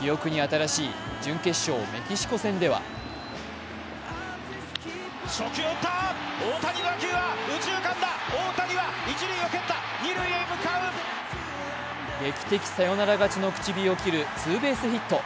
記憶に新しい準決勝、メキシコ戦では劇的サヨナラ勝ちの口火を切るツーベースヒット。